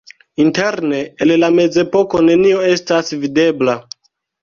Interne el la mezepoko nenio estas videbla.